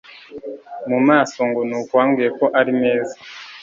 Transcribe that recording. mu maso ngo nuko wabwiwe ko ari meza.